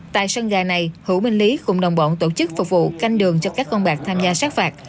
tại sân gà này hữu minh lý cùng đồng bọn tổ chức phục vụ canh đường cho các con bạc tham gia sát phạt